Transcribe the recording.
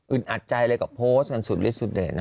อึดอัดใจเลยกับโพสกันสุดเร็ดนะ